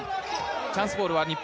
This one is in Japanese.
チャンスボール日本。